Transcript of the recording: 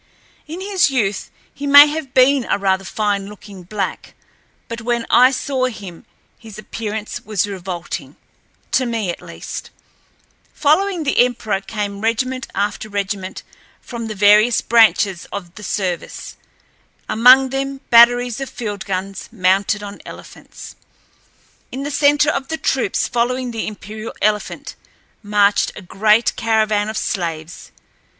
In his youth he may have been a rather fine looking black, but when I saw him his appearance was revolting—to me, at least. Following the emperor came regiment after regiment from the various branches of the service, among them batteries of field guns mounted on elephants. In the center of the troops following the imperial elephant marched a great caravan of slaves.